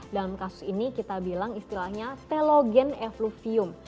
dalam kasus ini kita bilang istilahnya telogen efluvium